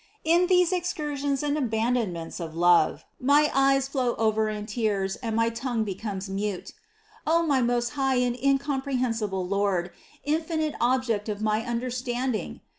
In these excursions and aban 46 THE CONCEPTION 47 donments of love my eyes flow over in tears and my tongue becomes mute. O my most high and incompre hensible Lord, infinite Object of my understanding!